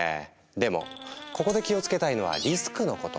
でもここで気をつけたいのは「リスク」のこと。